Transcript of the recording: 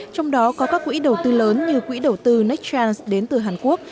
trong đó có các quỹ đầu tư lớn như quỹ đầu tư nextras đến từ hàn quốc